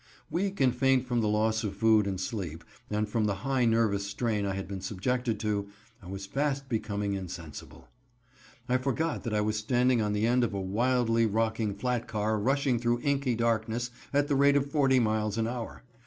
Weak and faint from the loss of food and sleep, and from the high nervous strain I had been subjected to, I was fast becoming insensible. I forgot that I was standing on the end of a wildly rocking flat car rushing through inky darkness at the rate of forty miles an hour.